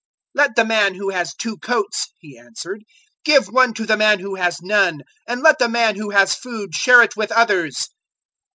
003:011 "Let the man who has two coats," he answered, "give one to the man who has none; and let the man who has food share it with others."